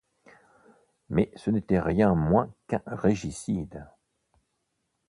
Mais ce n'était rien moins qu'un régicide.